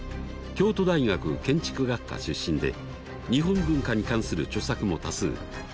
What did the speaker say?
京都大学建築学科出身で日本文化に関する著作も多数。